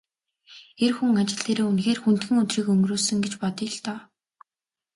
Эр хүн ажил дээрээ үнэхээр хүндхэн өдрийг өнгөрөөсөн гэж бодъё л доо.